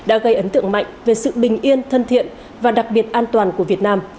điều này ấn tượng mạnh về sự bình yên thân thiện và đặc biệt an toàn của việt nam